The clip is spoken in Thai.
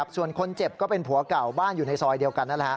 ส่วนคนเจ็บก็เป็นผัวกล่ำบ้านอยู่ในซอยเดียวกัน